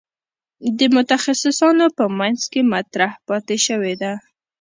د متخصصانو په منځ کې مطرح پاتې شوې ده.